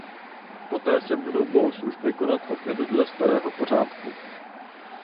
Poté se budou bohoslužby konat opět dle starého pořádku.